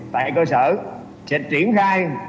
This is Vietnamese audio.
tại cơ sở sẽ triển khai